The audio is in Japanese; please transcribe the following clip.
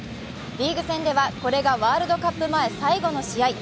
リーグ戦ではこれがワールドカップ前最後の試合。